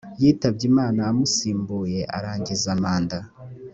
yitabye imana umusimbuye arangiza manda